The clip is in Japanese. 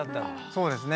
そうですね。